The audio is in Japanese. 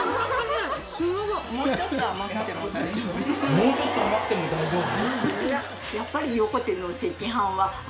もうちょっと甘くても大丈夫？